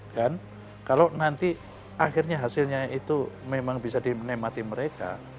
dan kalau nanti akhirnya hasilnya itu memang bisa dinemati mereka